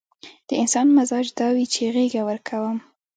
د انسان مزاج دا وي چې غېږه ورکوم.